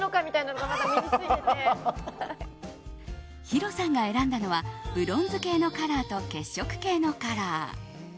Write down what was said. ヒロさんが選んだのはブロンズ系のカラーと血色系のカラー。